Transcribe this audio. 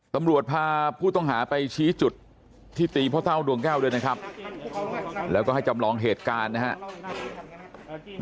ตำรวจพาผู้ต้องหาไปชี้จุดที่ตีพ่อเต้าดวงแก้วด้วยนะครับแล้วก็ให้จำลองเหตุการณ์นะครับ